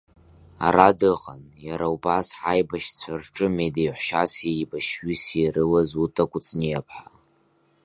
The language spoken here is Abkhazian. Ара дыҟан, иара убас, ҳаибашьцәа рҿы медеҳәшьаси еибашьҩыси ирылаз Ута Кәыҵниаԥҳа.